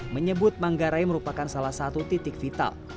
menyebut manggarai merupakan salah satu titik vital